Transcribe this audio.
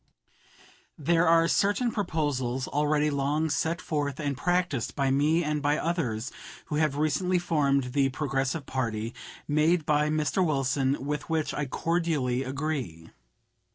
There are certain proposals (already long set forth and practiced by me and by others who have recently formed the Progressive party) made by Mr. Wilson with which I cordially agree.